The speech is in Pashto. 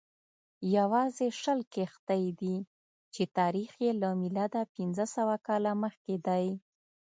یوازې شل کښتۍ دي چې تاریخ یې له میلاده پنځه سوه کاله مخکې دی